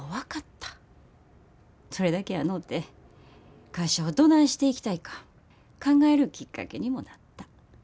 それだけやのうて会社をどないしていきたいか考えるきっかけにもなった。